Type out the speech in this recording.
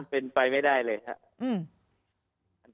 เป็นไปไม่ได้เลยครับ